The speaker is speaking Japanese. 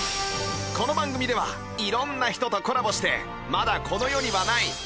この番組では色んな人とコラボしてまだこの世にはない